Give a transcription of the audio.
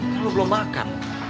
kan lo belum makan